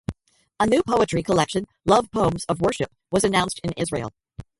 A new poetry collection, "Love Poems of Worship", was announced in Israel.